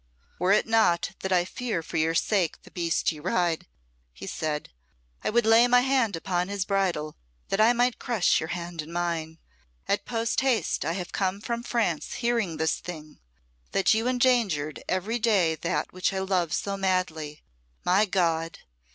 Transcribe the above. "Were it not that I fear for your sake the beast you ride," he said, "I would lay my hand upon his bridle, that I might crush your hand in mine. At post haste I have come from France, hearing this thing that you endangered every day that which I love so madly. My God!